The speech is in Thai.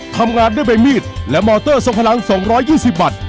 ทำงานด้วยใบมีดและมอเตอร์ทรงพลัง๒๒๐บัตร